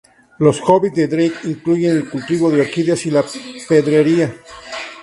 Los hobbies de Drake incluyen el cultivo de orquídeas y la pedrería.